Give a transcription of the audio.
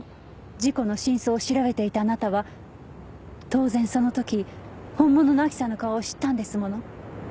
事故の真相を調べていたあなたは当然その時本物の亜希さんの顔を知ったんですもの。